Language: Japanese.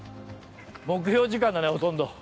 目標時間だねほとんど。